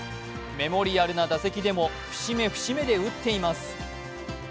メモリアルな打席でも節目節目で打っています。